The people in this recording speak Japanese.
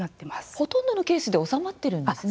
ほとんどのケースで治まっているんですね。